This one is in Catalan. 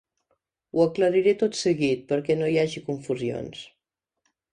Ho aclariré tot seguit, perquè no hi hagi confusions.